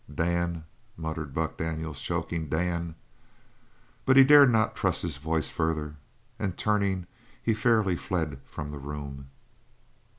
"Dan," muttered Buck Daniels, choking, "Dan " but he dared not trust his voice further, and turning, he fairly fled from the room.